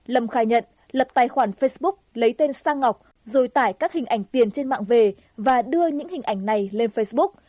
lâm khai nhận lập tài khoản facebook lấy tên sang ngọc rồi tải các hình ảnh tiền trên mạng về và đưa những hình ảnh này lên facebook